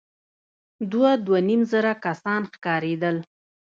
دوه ، دوه نيم زره کسان ښکارېدل.